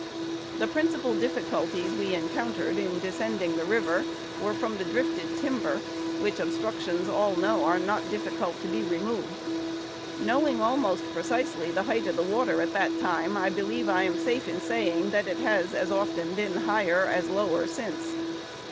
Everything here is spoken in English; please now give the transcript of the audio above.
The principal difficulties we encountered in descending the river were from the drifted timber, which obstructions all know are not difficult to be removed. Knowing almost precisely the height of water at that time, I believe I am safe in saying that it has as often been higher as lower since.